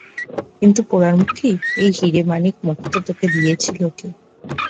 কিন্তু, পোড়ারমুখী, এই হীরে-মানিক-মুক্তো তোকে দিয়েছিল কে?